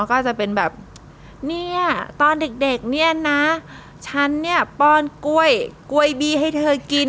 ก็จะเป็นแบบเนี่ยตอนเด็กเนี่ยนะฉันเนี่ยป้อนกล้วยกล้วยบีให้เธอกิน